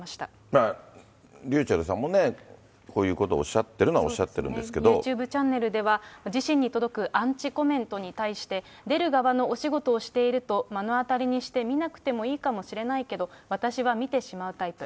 だからｒｙｕｃｈｅｌｌさんもね、こういうことをおっしゃってるのはおっしゃっユーチューブチャンネルでは、自身に届くアンチコメントに対して、出る側のお仕事をしていると、目の当たりにしてみなくてもいいかもしれないけど、私は見てしまうタイプ。